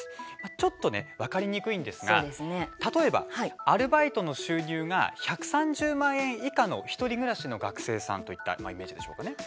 ちょっと分かりにくいんですが例えばアルバイトの収入が１３０万円以下の１人暮らしの学生さんといったイメージでしょうか。